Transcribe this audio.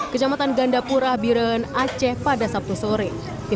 kecamatan gandapura biren aceh pada sabtu sore